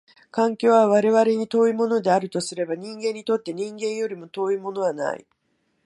環境は我々に遠いものであるとすれば、人間にとって人間よりも遠いものはない。